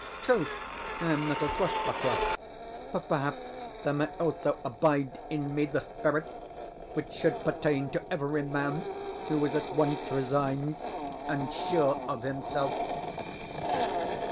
True, I am not a swashbuckler; but perhaps there may also abide in me the spirit which should pertain to every man who is at once resigned and sure of himself.